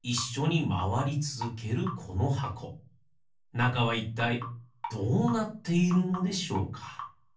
なかはいったいどうなっているのでしょうか？